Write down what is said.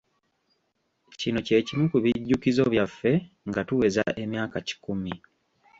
Kino kye kimu ku bijjukizo byaffe nga tuweza emyaka kikumi.